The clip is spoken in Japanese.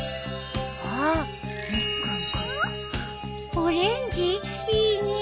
オレンジ？いい匂い。